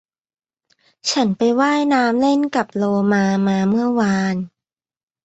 ฉันไปว่ายน้ำเล่นกับโลมามาเมื่อวาน